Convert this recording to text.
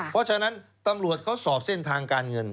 เพราะฉะนั้นตำรวจเขาสอบเส้นทางการเงิน